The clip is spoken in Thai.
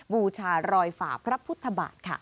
บูชารอยฝ่าพระพุทธบาทค่ะ